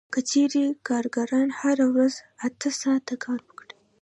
که چېرې کارګران هره ورځ اته ساعته کار وکړي